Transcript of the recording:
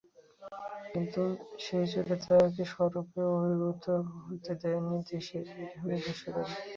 কিন্তু সেই চোট তাঁকে স্বরূপে আবির্ভূত হতে দেয়নি দেশের হয়ে বিশ্বকাপে।